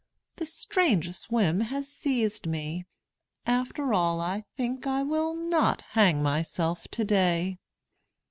The strangest whim has seized me ... After all I think I will not hang myself today.